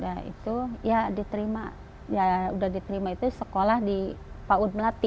ya itu ya diterima ya udah diterima itu sekolah di paud melati